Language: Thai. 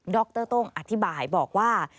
รต้งอธิบายบอกว่า